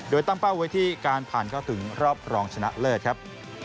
โดยตั้งเป้าไว้ที่การผ่านเข้าถึงรอบรองชนะเลิศครับ